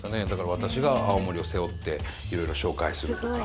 「私が青森を背負っていろいろ紹介する！」とか。